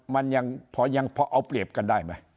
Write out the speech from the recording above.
มันยังพอยังพอเอาเปรียบกันได้ไหม